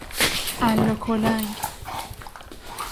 الا کلنگ